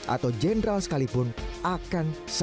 atau jenderal sekalipun akan sama